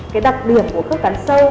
cái đặc điểm của khớp cắn sâu